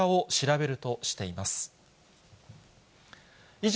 以上、